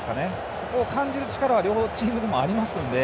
そこを感じる力は両チームともありますので。